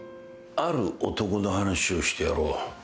ある男の話をしてやろう。